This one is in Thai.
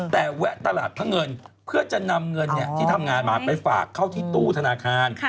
แต่แวะตลาดพระเงินเพื่อจะนำเงินที่ทำงานมาไปฝากเข้าที่ตู้ธนาคาร